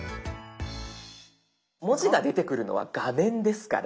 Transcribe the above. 文字が出てくるのは画面ですから。